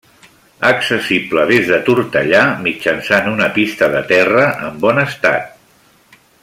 Accessible des de Tortellà, mitjançant una pista de terra en bon estat.